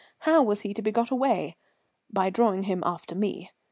How was he to be got away? By drawing him after me.